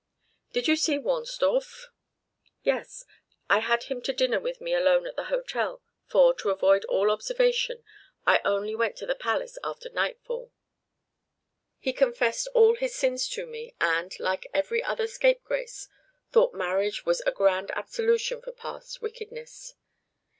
"Did you see Wahnsdorf?" "Yes; I had him to dinner with me alone at the hotel, for, to avoid all observation, I only went to the Palace after nightfall. He confessed all his sins to me, and, like every other scapegrace, thought marriage was a grand absolution for past wickedness.